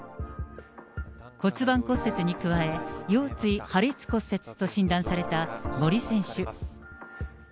骨盤骨折に加え、腰椎破裂骨折と診断された森選手。